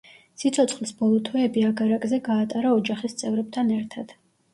სიცოცხლის ბოლო თვეები აგარაკზე გაატარა ოჯახის წევრებთან ერთად.